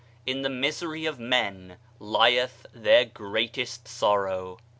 In the misery of men lieth their greatest sorrow.